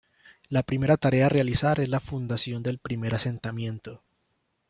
La primera tarea a realizar es la fundación del primer asentamiento.